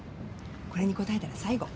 これに答えたら最後。